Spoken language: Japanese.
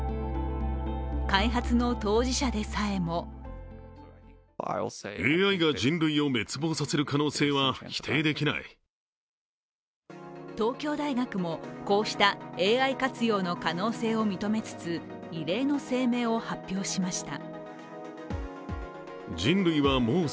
開発の当事者でさえも東京大学も、こうしたＡＩ活用の可能性を認めつつ異例の声明を発表しました。